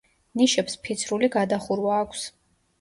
ნიშებს ფიცრული გადახურვა აქვს.